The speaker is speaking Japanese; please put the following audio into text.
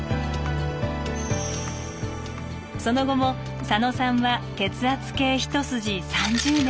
その後も佐野さんは血圧計一筋３０年。